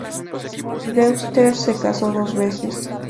Brewster se casó dos veces.